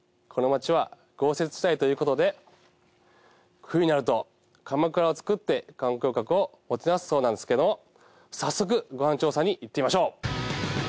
この町は豪雪地帯ということで冬になるとかまくらを作って観光客をもてなすそうなんですけども早速ご飯調査に行ってみましょう。